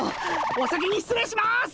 お先に失礼します！